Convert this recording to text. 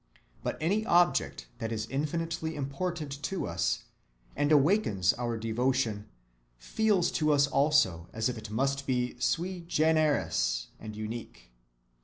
But any object that is infinitely important to us and awakens our devotion feels to us also as if it must be sui generis and unique.